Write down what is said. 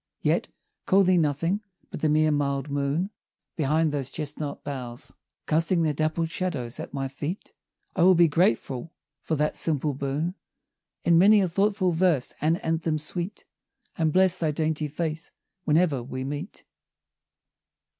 Yet, call thee nothing but the mere mild Moon, Behind those chestnut boughs, Casting their dappled shadows at my feet; I will be grateful for that simple boon, In many a thoughtful verse and anthem sweet, And bless thy dainty face when'er we meet.